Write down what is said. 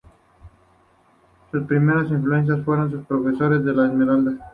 Sus primeras influencias fueron sus profesores en La Esmeralda.